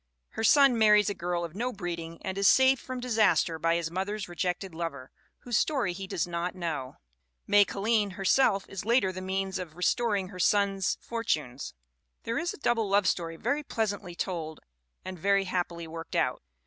Her son marries a girl of no breed ing and is saved from disaster by his mother's rejected lover, whose story he does not know. May Ca'line herself is later the means of restoring her son's for tunes. There is a double love story very pleasantly told and very happily worked out.